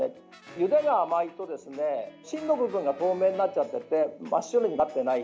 ゆでが甘いと芯の部分が透明になっていて真っ白になっていない。